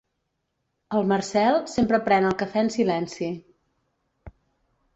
El Marcel sempre pren el cafè en silenci.